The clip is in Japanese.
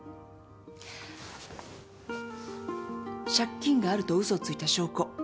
借金があると嘘をついた証拠。